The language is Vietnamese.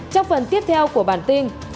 trong phần tiếp theo của bản tin